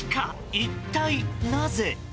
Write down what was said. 一体なぜ？